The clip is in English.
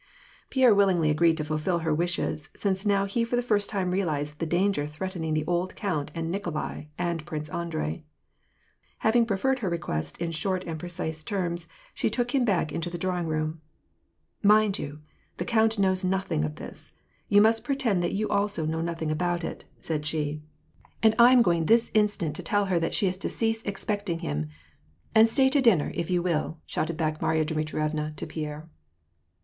Pierre willingly agreed to fulfil her wishes, since now he for the first time realized the danger threatening the old count and Nikolai and Prince Andrei. Having preferred her request in short and precise terms, she took him back into the drawing room :—" Mind you ! the count knows nothing of this. You must pretend that you also know nothing about it," said she, " And WAR AND PEACE, 881 I am going this instant to tell her that she is to cease expect ing him. And stay to dinner if you will," shouted back Marya Dmitrievna to Pierre.